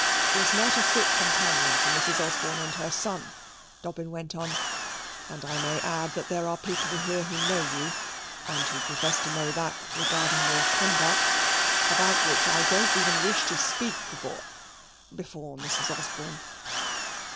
" is not a fit companion for Mrs. Osborne and her son," Dobbin went on: "and I may add that there are people here who know you, and who profess to know that regarding your conduct about which I don't even wish to speak before before Mrs. Osborne."